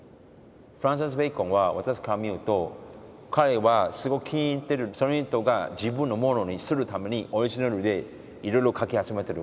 フランシス・ベーコンは私から見ると彼はすごく気に入ってるその人が自分のものにするためにオリジナルでいろいろかき集めてる。